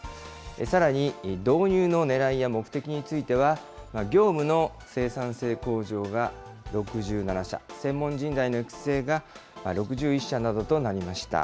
さらに導入のねらいや目的については、業務の生産性向上が６７社、専門人材の育成が６１社などとなりました。